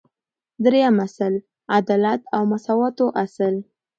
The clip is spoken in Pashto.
دریم اصل : عدالت او مساواتو اصل